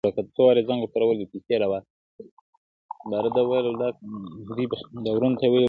• جهاني اوس دي سندري لکه ساندي پر زړه اوري -